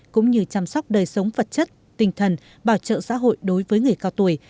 cũng như chăm sóc đời sống vật chất tinh thần bảo trợ xã hội đối với người cao tuổi